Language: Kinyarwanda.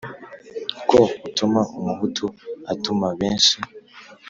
ko utuma umuhutu atuma benshi